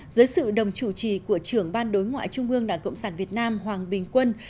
dưới sự đồng chủ trì của trưởng ban đối ngoại trung ương đảng cộng sản việt nam hoàng bình quân